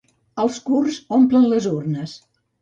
Els kurds omplen les urnes.